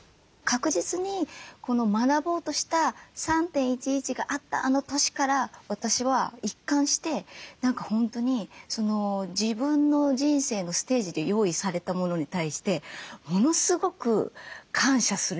確実に学ぼうとした３．１１があったあの年から私は一貫して何か本当に自分の人生のステージで用意されたものに対してものすごく感謝するようになったんですよ。